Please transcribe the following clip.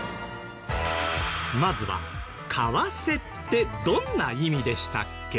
まずは為替ってどんな意味でしたっけ？